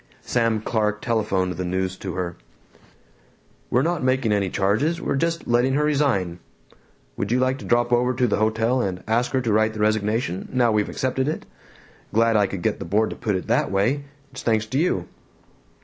Sam Clark telephoned the news to her. "We're not making any charges. We're just letting her resign. Would you like to drop over to the hotel and ask her to write the resignation, now we've accepted it? Glad I could get the board to put it that way. It's thanks to you."